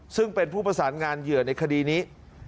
ซึ่งเป็นผู้ประสานงานเหยื่อในคดีนี้